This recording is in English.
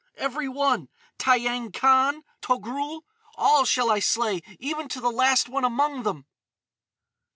—every one!—Tiyang Khan, Togrul,—all shall I slay, even to the last one among them!"